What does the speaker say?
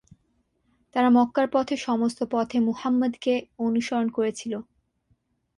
তারা মক্কার পথে সমস্ত পথে মুহাম্মদকে অনুসরণ করেছিল।